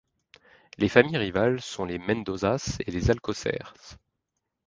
Les familles rivales sont les Mendozas et les Alcocers.